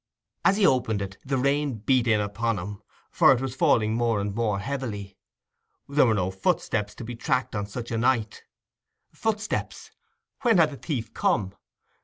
As he opened it the rain beat in upon him, for it was falling more and more heavily. There were no footsteps to be tracked on such a night—footsteps? When had the thief come?